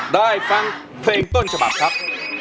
ได้ฟังเพลงต้นฉบับครับ